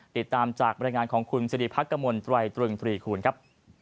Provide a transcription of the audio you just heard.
ติดตามจากบรรยายงานของคุณสิริพักกมลตรายตรึงตรีคูณครับ